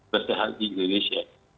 persenjataan haji indonesia